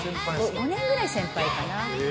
５年ぐらい先輩かな。